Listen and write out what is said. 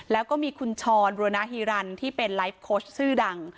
แล้วก็มีคุณชรบุรณฮีรันที่เป็นไลฟ์โค้ชชื่อดัง